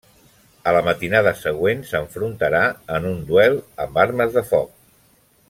A la matinada següent s'enfrontarà en un duel amb armes de foc.